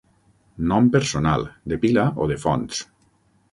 Nom personal, de pila o de fonts.